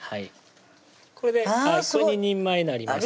これ２人前になります